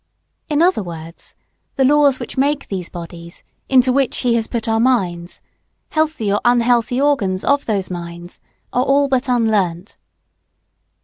In other words, the laws which make these bodies, into which He has put our minds, healthy or unhealthy organs of those minds, are all but unlearnt.